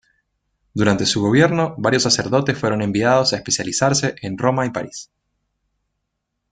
Durante su gobierno varios sacerdotes fueron enviados a especializarse en Roma y París.